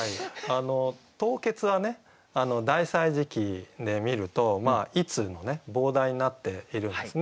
「凍結」は「大歳時記」で見ると「冱つ」の傍題になっているんですね。